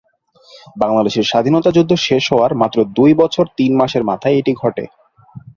বাংলাদেশের স্বাধীনতা যুদ্ধ শেষ হওয়ার মাত্র দুই বছর তিন মাসের মাথায় এটি ঘটে।